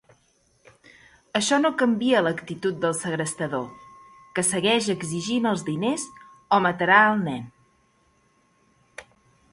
Això no canvia l'actitud del segrestador, que segueix exigint els diners o matarà al nen.